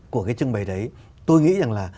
của cái trưng bày đấy tôi nghĩ rằng là